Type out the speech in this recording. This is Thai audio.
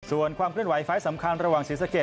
ส่วนความเคลื่อนไหวไฟล์สำคัญระหว่างศรีสะเกด